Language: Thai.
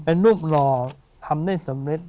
เป็นรูปหล่อทำได้สำเร็จ